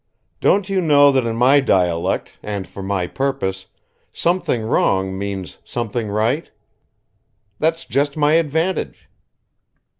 "Don't you know that in my dialect and for my purpose 'something wrong' means 'something right'? That's just my advantage.